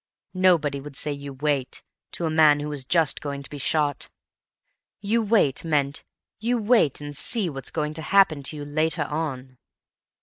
Nobody would say "You wait" to a man who was just going to be shot. "You wait" meant "You wait, and see what's going to happen to you later on."